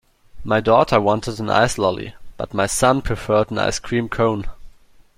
My daughter wanted an ice lolly, but my son preferred an ice cream cone